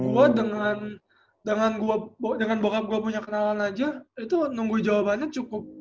gue dengan gue punya kenalan aja itu nunggu jawabannya cukup